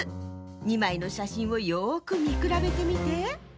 ２まいのしゃしんをよくみくらべてみて！